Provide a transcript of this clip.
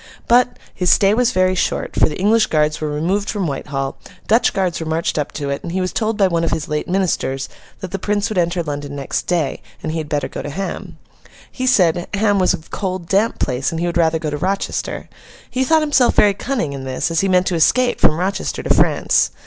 But, his stay was very short, for the English guards were removed from Whitehall, Dutch guards were marched up to it, and he was told by one of his late ministers that the Prince would enter London, next day, and he had better go to Ham. He said, Ham was a cold, damp place, and he would rather go to Rochester. He thought himself very cunning in this, as he meant to escape from Rochester to France.